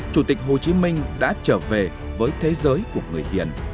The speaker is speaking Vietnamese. chủ tịch hồ chí minh đã trở về với thế giới của người hiền